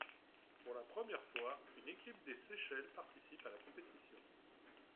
Pour la première fois, une équipe des Seychelles participe à la compétition.